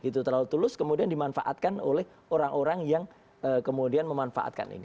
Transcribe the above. terlalu tulus kemudian dimanfaatkan oleh orang orang yang kemudian memanfaatkan ini